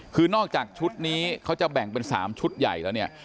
คือนอกจากชุดนี้เขาจะแบ่งเป็น๓ชุดใหญ่แล้วเนี่ย